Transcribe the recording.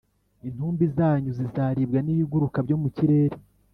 intumbi zanyu zizaribwa n’ibiguruka byo mu kirere